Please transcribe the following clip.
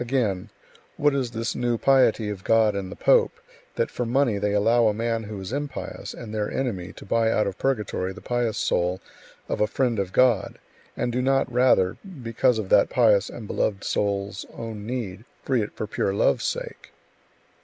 Again: "What is this new piety of God and the pope, that for money they allow a man who is impious and their enemy to buy out of purgatory the pious soul of a friend of God, and do not rather, because of that pious and beloved soul's own need, free it for pure love's sake?"